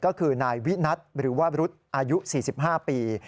ก็คือนายวินัทหรือว่ารุษอายุ๔๕ปี